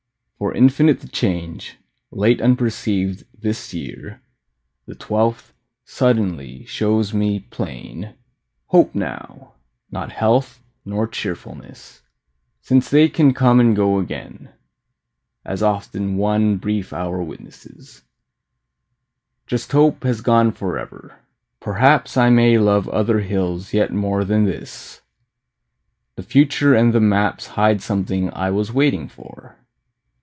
For infinite The change, late unperceived, this year, The twelfth, suddenly, shows me plain. Hope now, not health nor cheerfulness, Since they can come and go again, As often one brief hour witnesses, Just hope has gone forever. Perhaps I may love other hills yet more Than this: the future and the maps Hide something I was waiting for.